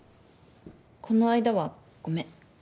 この間はごめん。